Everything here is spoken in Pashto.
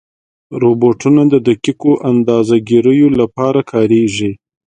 روبوټونه د دقیقو اندازهګیرو لپاره کارېږي.